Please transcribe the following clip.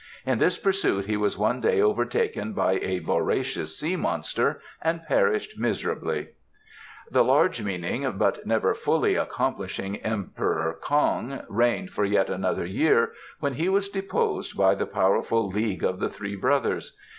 In this pursuit he was one day overtaken by a voracious sea monster and perished miserably. The large meaning but never fully accomplishing Emperor K'ong reigned for yet another year, when he was deposed by the powerful League of the Three Brothers.